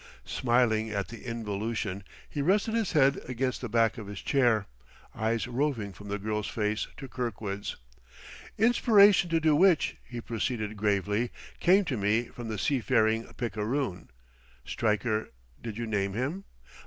Smiling at the involution, he rested his head against the back of the chair, eyes roving from the girl's face to Kirkwood's. "Inspiration to do which," he proceeded gravely, "came to me from the seafaring picaroon (Stryker did you name him?)